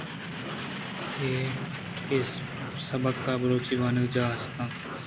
پیسبک ءَ بلوچی وانگجاہ ھست اِنت